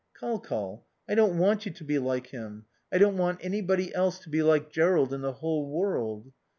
"Col Col, I don't want you to be like him. I don't want anybody else to be like Jerrold in the whole world."